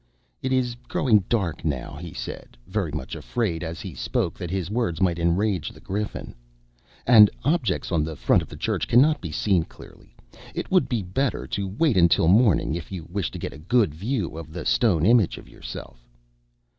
"It is growing dark, now," he said, very much afraid, as he spoke, that his words might enrage the Griffin, "and objects on the front of the church cannot be seen clearly. It will be better to wait until morning, if you wish to get a good view of the stone image of yourself."